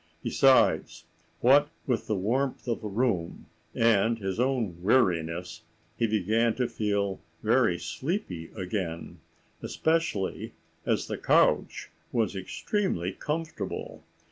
Besides, what with the warmth of the room and his own weariness, he began to feel very sleepy again, especially as the couch was extremely comfortable.